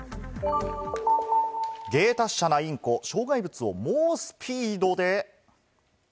芸達者なインコ、障害物を猛スピードで。